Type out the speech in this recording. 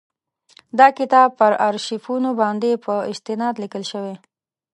دا کتاب پر آرشیفونو باندي په استناد لیکل شوی.